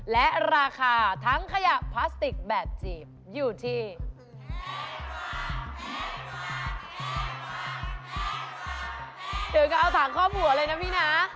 และราคาทั้งขยะพลาสติกแบบจีบอยู่ที่นะ